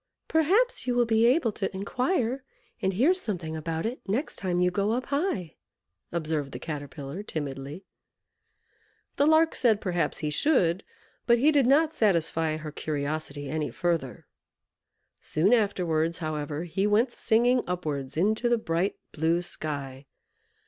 "Perhaps you will be able to inquire and hear something about it next time you go up high," observed the Caterpillar, timidly. The Lark said, "Perhaps he should;" but he did not satisfy her curiosity any further. Soon afterwards, however, he went singing upwards into the bright, blue sky.